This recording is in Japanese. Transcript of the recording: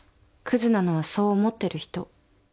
クズなのはそう思っている人。